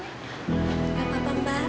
gak apa apa mbak